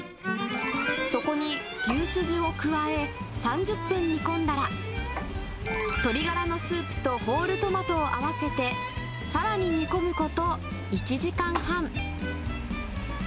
そこに牛すじを加え、３０分煮込んだら、鶏ガラのスープとホールトマトを合わせて、さらに煮込むこと１時間半。